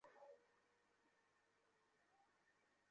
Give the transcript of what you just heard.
একা একা কোথাও বসলে আমার নানার কথা বলে বলে কাঁদতেন মা।